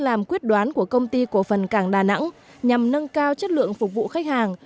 làm quyết đoán của công ty cổ phần cảng đà nẵng nhằm nâng cao chất lượng phục vụ khách hàng